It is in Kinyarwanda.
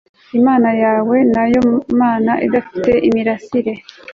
Imana yawe nyayo Mana idafite imirasire